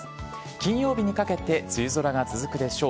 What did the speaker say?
金曜日にかけて梅雨空が続くでしょう。